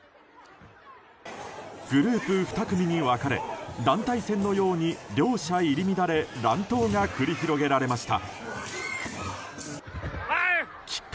グループ２組に分かれ団体戦のように、両者入り乱れ乱闘が繰り広げられました。